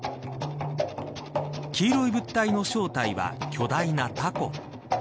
黄色い物体の正体は巨大なたこ。